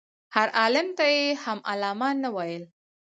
هر عالم ته یې هم علامه نه ویل.